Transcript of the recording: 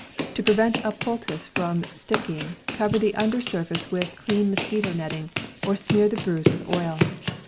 To prevent a poultice from sticking, cover the under surface with clean mosquito netting, or smear the bruise with oil.